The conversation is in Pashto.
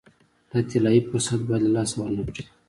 دا طلایي فرصت باید له لاسه ورنه کړي.